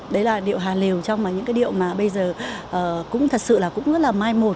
đấy là điệu hà lều trong những cái điệu mà bây giờ cũng thật sự là cũng rất là mai một